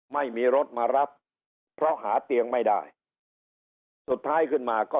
ไม่มีรถมารับเพราะหาเตียงไม่ได้สุดท้ายขึ้นมาก็